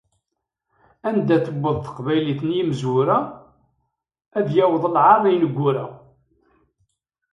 Anda tewweḍ teqbaylit n yimezwura, ad yaweḍ lɛar n yineggura.